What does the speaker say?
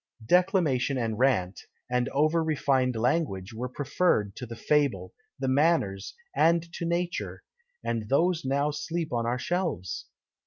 Declamation and rant, and over refined language, were preferred to the fable, the manners, and to nature and these now sleep on our shelves!